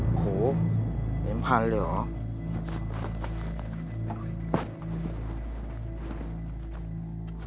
โอ้โหเห็นพันเลยหรอ